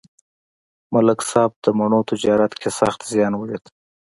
ملک صاحب د مڼو تجارت کې سخت زیان ولید.